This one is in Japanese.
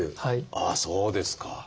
ああそうですか。